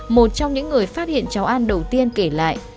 một trong những người phát hiện cháu an đầu tiên kể lại